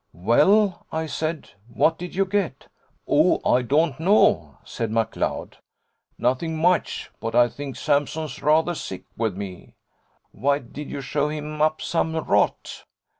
"Well," I said, "what did you get?" "Oh, I don't know," said McLeod, "nothing much: but I think Sampson's rather sick with me." "Why, did you show him up some rot?"